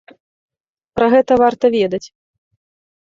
Пра гэта варта ведаць.